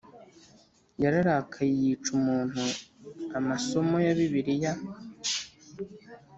Yararakaye yica umuntu Amasomo ya Bibiliya